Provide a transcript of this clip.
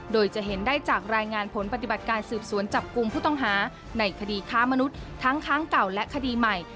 โดยจะเห็นได้จากรายงานผลปฏิบัติการสืบสวนจับกลุ่มผู้ต้องหาในคดีค้ามนุษย์ทั้งค้างเก่าและคดีใหม่